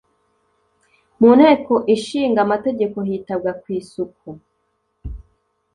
Mu Nteko Ishinga Amategeko hitabwa kwisuku